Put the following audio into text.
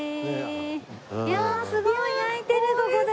すごい！焼いてるここで。